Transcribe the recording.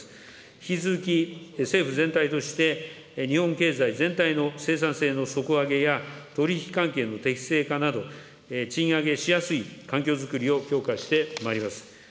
引き続き政府全体として、日本経済全体の生産性の底上げや、取り引き関係の適正化など、賃上げしやすい環境づくりを強化してまいります。